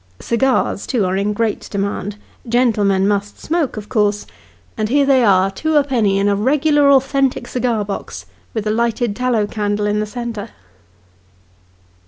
Cigars, too, are in great demand ; gentlemen must smoke, of course, and here they are, two a penny, in a regular authentic cigar box, with a lighted tallow candle in the centre.